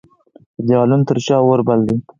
د دیوالونو تر شا اوربل دی